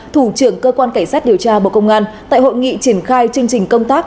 thủ trưởng cơ quan cảnh sát điều tra bộ công an tại hội nghị triển khai chương trình công tác